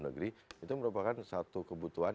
negeri itu merupakan satu kebutuhan